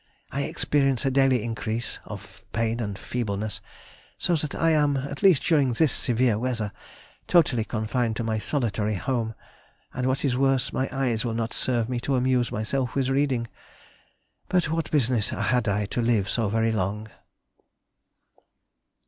I experience a daily increase of pain and feebleness, so that I am (at least during this severe weather) totally confined to my solitary home; and what is worse, my eyes will not serve me to amuse myself with reading. But what business had I to live so very long?